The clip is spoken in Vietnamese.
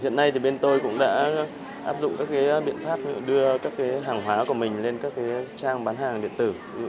hiện nay thì bên tôi cũng đã áp dụng các cái biện pháp đưa các cái hàng hóa của mình lên các cái trang bán hàng điện tử